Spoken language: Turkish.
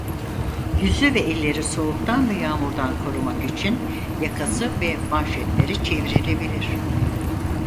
Yüzü ve elleri soğuktan ve yağmurdan korumak için yakası ve manşetleri çevrilebilir.